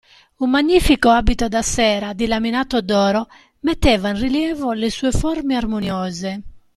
Un magnifico abito da sera, di laminato d'oro metteva in rilievo le sue forme armoniose.